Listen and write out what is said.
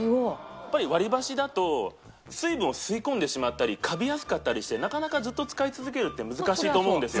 やっぱり割り箸だと水分を吸い込んでしまったりカビやすかったりしてなかなかずっと使い続けるって難しいと思うんですよ。